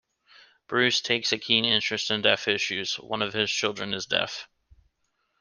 Bruce takes a keen interest in deaf issues; one of his children is deaf.